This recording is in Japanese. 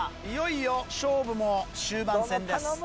いよいよ勝負も終盤戦です。